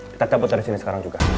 kita cabut dari sini sekarang juga